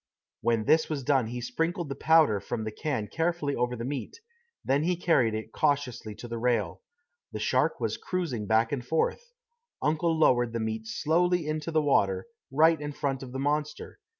When this was done he sprinkled the powder from the can carefully over the meat; then he carried it cautiously to the rail. The shark was cruising back and forth. Uncle lowered the meat slowly into the water, right in front of the monster.